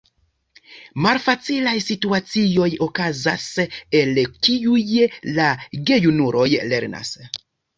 Malfacilaj situacioj okazas, el kiuj la gejunuloj lernas.